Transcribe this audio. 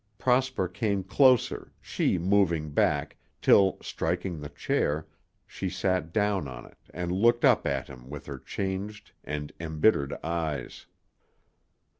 Prosper came closer, she moving back, till, striking the chair, she sat down on it and looked up at him with her changed and embittered eyes.